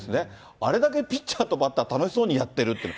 あれだけピッチャーとバッター、楽しそうにやってるっていうの。